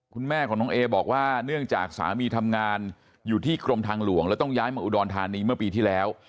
คุณแม่ของน้องเอบอกว่าเนื่องจากสามีทำงานอยู่ที่กรมทางหลวงแล้วต้องย้ายมาอุดรธานีเมื่อปีที่แล้ว